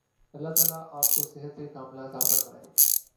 اللہ تعالی آپ کو صحت ِکاملہ عطا فرمائے۔